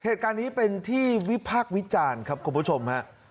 เหตุการณ์นี้เป็นที่วิพากษ์วิจารณ์ครับคุณผู้ชมฮะ